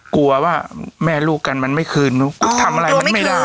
กลัวว่าแม่ลูกกันมันไม่คืนทำอะไรมันไม่ได้